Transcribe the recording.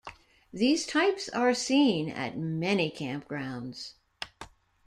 These types are seen at many campgrounds.